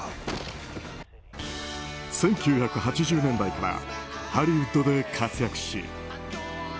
１９８０年代からハリウッドで活躍し。